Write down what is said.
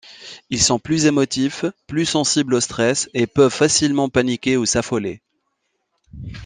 Ils sont plus émotifs, plus sensibles au stress, et peuvent facilement paniquer ou s'affoler.